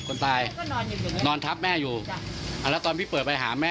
เขาบอกว่าแม่แม่จะรอจิ๊บบอกกินข้าวไหมแม่